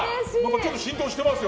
ちょっと浸透していますよ。